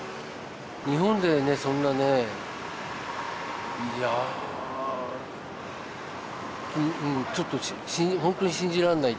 日本で、そんなね、いやぁ、ちょっと、本当に信じられない。